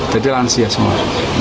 jadi lansia semua